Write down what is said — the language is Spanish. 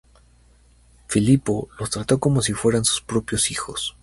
Filipo los trató como si fueran sus propios hijos.